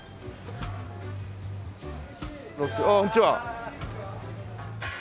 あっこんにちは。